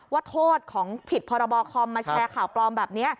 ว่าโทษของผิดพรบคอมมาแชร์ข่าวปลอมแบบนี้